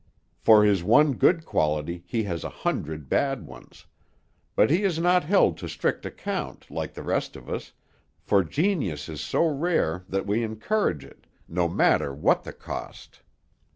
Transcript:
For his one good quality he has a hundred bad ones; but he is not held to strict account, like the rest of us, for genius is so rare that we encourage it, no matter what the cost.